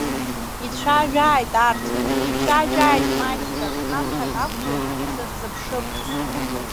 Ицәажәааит арҭ, ицәажәааит маҷӡак, ҳамҭак акәзаргь, сырзыԥшып.